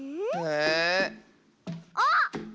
あっ！